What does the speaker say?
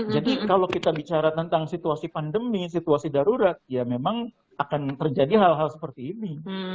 jadi kalau kita bicara tentang situasi pandemi situasi darurat ya memang akan terjadi hal hal seperti ini